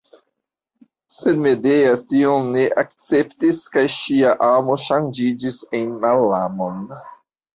Sed Medea tion ne akceptis kaj ŝia amo ŝanĝiĝis en malamon.